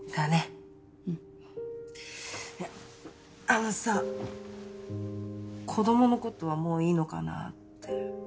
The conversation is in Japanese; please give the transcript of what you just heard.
あのさ子供のことはもういいのかなって。